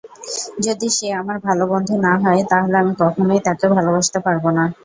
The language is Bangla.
যদি সে আমার ভালো বন্ধু না হয় তাহলে আমি কখনোই তাকে ভালোবাসতে পারবো না।